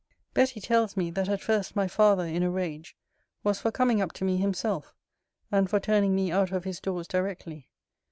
Betty tells me, that at first my father, in a rage, was for coming up to me himself, and for turning me out of his doors directly.